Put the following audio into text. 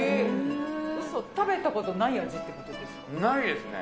食べたことない味ってことでないですね。